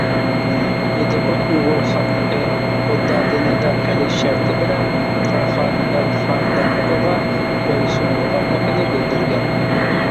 ئىدىقۇت ئۇيغۇر خانلىقى بۇددا دىنىدا قىلىش شەرتى بىلەن قاراخانىيلار خانىدانلىقىغا بۇي سۇنىدىغانلىقىنى بىلدۈرگەن .